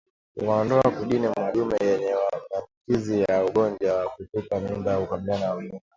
Kuwaondoa kundini madume yenye maambukizi ya ugonjwa wa kutupa mimba hukabiliana na ugonjwa